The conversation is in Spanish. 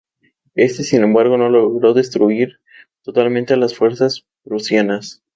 Este, sin embargo, no logró destruir totalmente a las fuerzas prusianas.